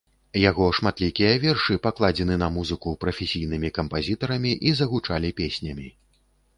Яго шматлікія вершы пакладзены на музыку прафесійнымі кампазітарамі і загучалі песнямі.